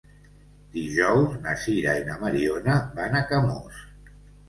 Dijous na Sira i na Mariona van a Camós.